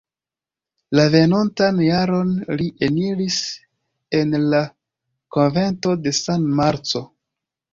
La venontan jaron li eniris en la konvento de San Marco.